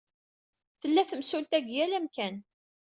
Tella temsulta deg yal amkan.